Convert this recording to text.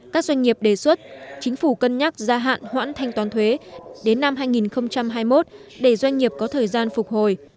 các doanh nghiệp đề xuất chính phủ cân nhắc gia hạn hoãn thanh toán thuế đến năm hai nghìn hai mươi một để doanh nghiệp có thời gian phục hồi